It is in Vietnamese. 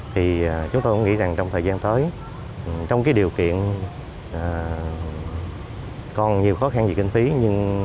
thì chúng tôi cũng nghĩ rằng trong thời gian tới trong điều kiện còn nhiều khó khăn về kinh phí nhưng